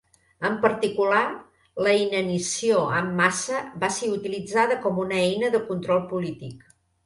En particular, la inanició en massa va ser utilitzada com una eina de control polític.